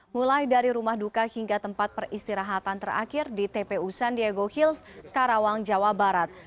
mulai dari rumah duka hingga tempat peristirahatan terakhir di tpu san diego hills karawang jawa barat